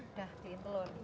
udah pilihin telur